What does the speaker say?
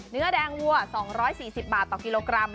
เนื้อแดงวัว๒๔๐บาทต่อกิโลกรัม